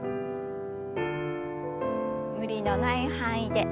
無理のない範囲で。